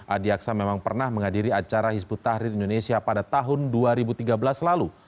adi aksa memang pernah menghadiri acara hizbut tahrir indonesia pada tahun dua ribu tiga belas lalu